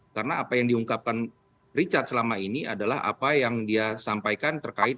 karena apa yang diungkapkan richard selama ini adalah apa yang dia sampaikan terkait